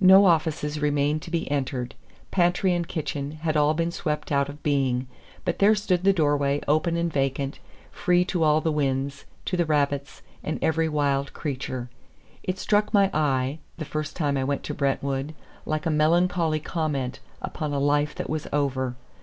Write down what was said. No offices remained to be entered, pantry and kitchen had all been swept out of being; but there stood the door way open and vacant, free to all the winds, to the rabbits, and every wild creature. It struck my eye, the first time I went to Brentwood, like a melancholy comment upon a life that was over.